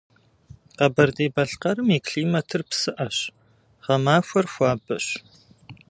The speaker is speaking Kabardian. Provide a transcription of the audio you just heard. Къэбэрдей-Балъкъэрым и климатыр псыӏэщ, гъэмахуэр хуабэщ.